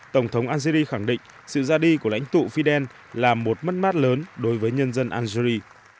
tổng thống algeri khẳng định sự ra đi của lãnh tụ fidel là một mất mát lớn đối với nhân dân algeri